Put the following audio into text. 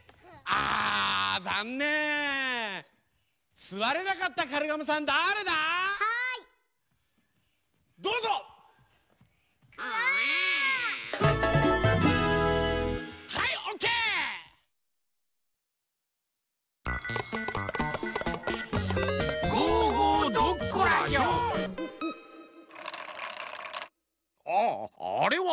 ああれは。